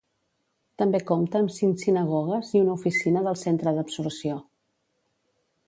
També compta amb cinc sinagogues i una oficina del Centre d'Absorció.